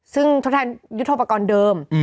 ซึ่งทดแทนยุทธโปรกรณ์เดิม